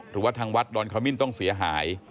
หรือว่าทางวัดดอนขมิ้นต้องเสียหาย